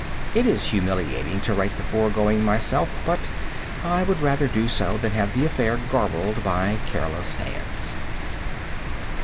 It is humiliating to write the foregoing myself, but I would rather do so than have the affair garbled by careless hands.